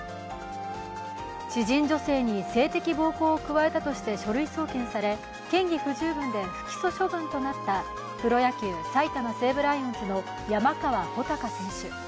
知人女性に性的暴行を加えたとして書類送検され、嫌疑不十分で不起訴処分となったプロ野球・埼玉西武ライオンズの山川穂高選手。